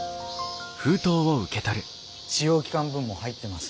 試用期間分も入ってます。